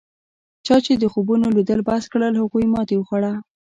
چا چې د خوبونو لیدل بس کړل هغوی ماتې وخوړه.